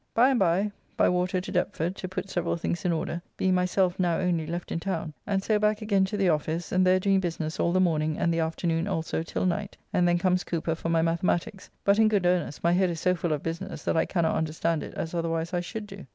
By and by by water to Deptford, to put several things in order, being myself now only left in town, and so back again to the office, and there doing business all the morning and the afternoon also till night, and then comes Cooper for my mathematiques, but, in good earnest, my head is so full of business that I cannot understand it as otherwise I should do.